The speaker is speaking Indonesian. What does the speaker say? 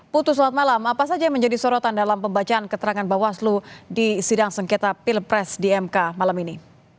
putu selamat malam apa saja yang menjadi sorotan dalam pembacaan keterangan bawaslu di sidang sengketa pilpres di mk malam ini